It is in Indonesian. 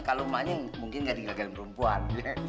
kalo emaknya mungkin ga digagalin perempuan